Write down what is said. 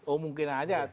oh mungkin aja